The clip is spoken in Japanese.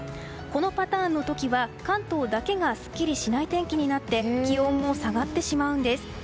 このパターンの時は関東だけがすっきりしない天気になって気温も下がってしまうんです。